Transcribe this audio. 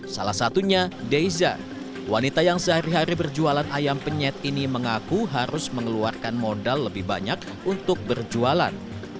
salah satunya deiza wanita yang sehari hari berjualan ayam penyet ini mengaku harus mengeluarkan modal lebih banyak untuk berjualan